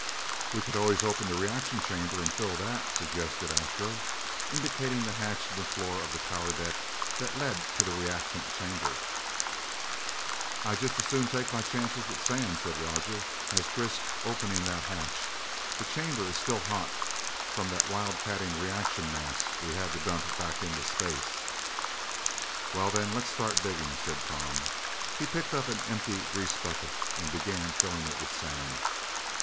"We could always open the reaction chamber and fill that," suggested Astro, indicating the hatch in the floor of the power deck that lead to the reactant chamber. "I'd just as soon take my chances with sand," said Roger, "as risk opening that hatch. The chamber is still hot from the wildcatting reaction mass we had to dump back in space." "Well, then, let's start digging," said Tom. He picked up an empty grease bucket and began filling it with sand.